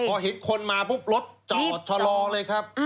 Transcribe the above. พอเห็นคนมาปุ๊บรถจอดชะลอเลยครับ